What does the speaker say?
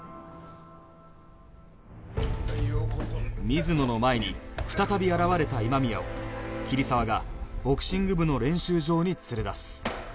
水野の前に再び現れた今宮を桐沢がボクシング部の練習場に連れ出す